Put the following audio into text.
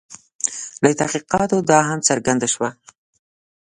له تحقیقاتو دا هم څرګنده شوه.